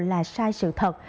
là sai sự thật